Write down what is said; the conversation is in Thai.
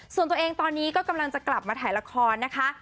ส่วนตัวเองตอนนี้ก็กำลังจะกลับมาถ่ายละครนะคะ